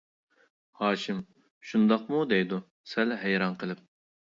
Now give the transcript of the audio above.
ھاشىم: شۇنداقمۇ دەيدۇ سەل ھەيران قېلىپ.